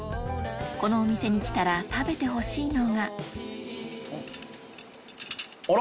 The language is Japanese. このお店に来たら食べてほしいのがあら？